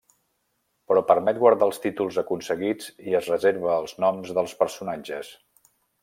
Però permet guardar els títols aconseguits i es reserva els noms dels personatges.